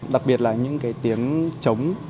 đặc biệt là những cái tiếng trống